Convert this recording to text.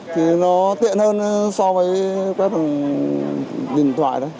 thì nó tiện hơn so với quét bằng điện thoại đấy